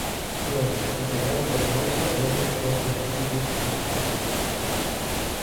Flora: integrada por sauce, roble, coco, mezquite y chicozapote.